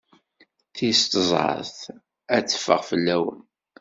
Tis tẓat ad teffeɣ fell-awen.